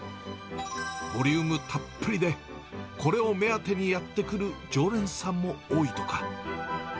ボリュームたっぷりで、これを目当てにやって来る常連さんも多いとか。